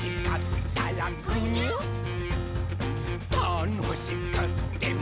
「たのしくっても」